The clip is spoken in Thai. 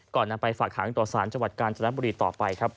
ก่อนนับไปฝากหาข้างตัวสารจังหวัดกาญจนบุรีต่อไปครับ